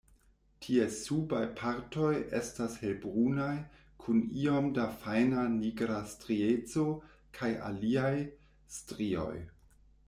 Ties subaj partoj estas helbrunaj kun iom da fajna nigra strieco kaj aliaj strioj.